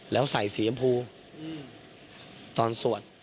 แล้วใส่สียำพูตอนสวด